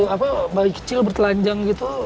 apa bayi kecil bertelanjang gitu